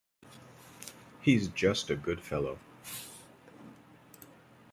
He's just a good fellow.